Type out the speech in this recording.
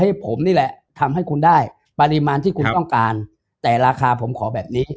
ให้ผมนี่แหละทำให้คุณได้ปริมาณที่คุณต้องการแต่ราคาผมขอแบบนี้